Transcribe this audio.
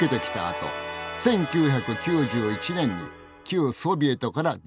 あと１９９１年に旧ソビエトから独立。